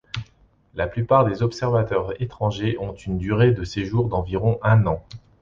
La plupart des observateurs étrangers ont une durée de séjour d'environ un an.